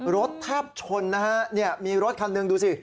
รถแทบชนนะฮะเนี่ยมีรถคันหนึ่งดูสิ